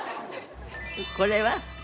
これは？